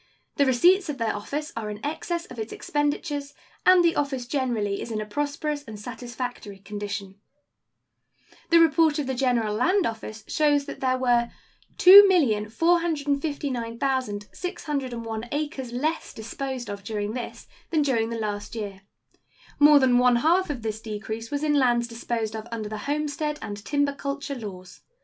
The receipts of the office are in excess of its expenditures, and the office generally is in a prosperous and satisfactory condition. The report of the General Land Office shows that there were 2,459,601 acres less disposed of during this than during the last year. More than one half of this decrease was in lands disposed of under the homestead and timber culture laws.